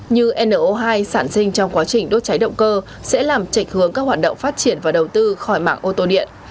như no hai sản sinh trong quá trình đốt cháy động cơ sẽ làm trạch hướng các hoạt động phát triển và đầu tư khỏi mạng ô tô điện